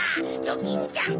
ドキンちゃん